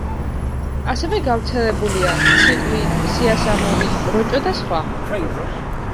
ასევე გავრცელებულია: ციყვი, სიასამური, როჭო და სხვა.